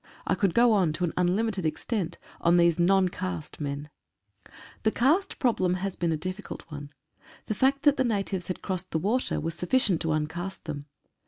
I could go on to an un limited extent on these noncaste men. 145 CASTE AND FOODSTUFFS. The caste problem has been a difficult one. The fact that the natives had crossed the water was sufficient to uncaste them.